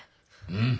うん。